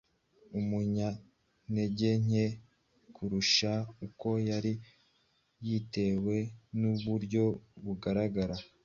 umunyantege nke kurusha uko ari bitewe n’uburyo agaragara.